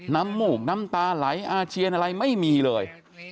มูกน้ำตาไหลอาเจียนอะไรไม่มีเลย